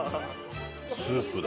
スープだ。